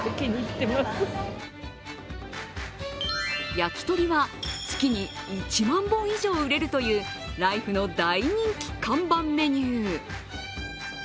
焼きとりは月に１万本以上売れるというライフの大人気看板メニュー。